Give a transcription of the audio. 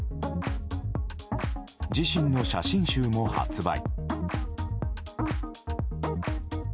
自身の写真集も発売。